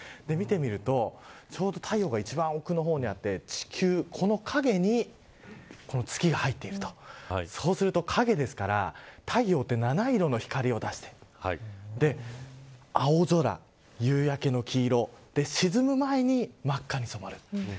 見てみると、ちょうど太陽一番奥の方にあってその影に月が入っていると陰なので太陽は七色の光を出して青空、夕焼けの黄色沈む前に真っ赤に染まる。